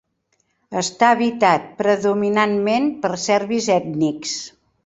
Està habitat predominantment per serbis ètnics.